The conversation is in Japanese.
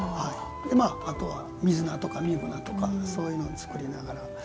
あとは、水菜とか壬生菜とかそういうのを作りながら。